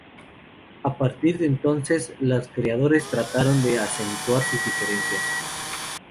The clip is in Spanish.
A partir de entonces, los criadores trataron de acentuar sus diferencias.